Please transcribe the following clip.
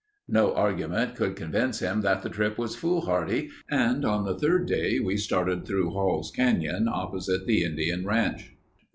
No argument could convince him that the trip was foolhardy and on the third day we started through Hall's Canyon opposite the Indian Ranch.